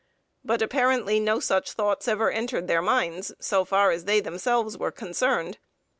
But apparently no such thoughts ever entered their minds, so far as they themselves were concerned.